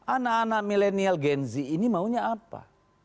anak anak milenial gen z ini maunya apa